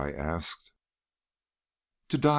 I asked. "'To die!